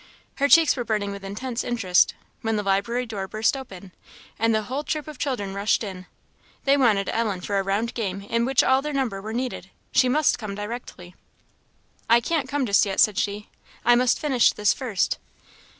Her cheeks were burning with intense interest, when the library door burst open, and the whole troop of children rushed in; they wanted Ellen for a round game in which all their number were needed; she must come directly. "I can't come just yet," said she; "I must finish this first."